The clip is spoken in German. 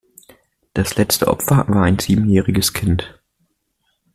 Das letzte Opfer war ein siebenjähriges Kind.